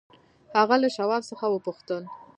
هغه له شواب څخه وپوښتل.